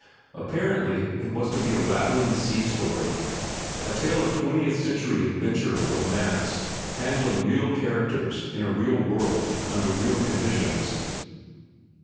Apparently it was to be a rattling sea story, a tale of twentieth century adventure and romance, handling real characters, in a real world, under real conditions.